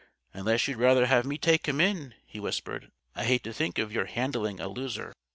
"Unless you'd rather have me take him in?" he whispered. "I hate to think of your handling a loser."